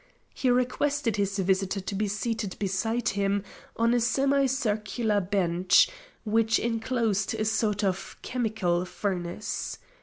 He requested his visitor to be seated beside him on a semicircular bench which enclosed a sort of chemical furnace.